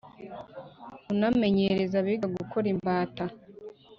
unamenyereza abiga gukora imbata